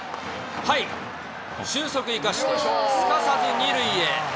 俊足生かしてすかさず２塁へ。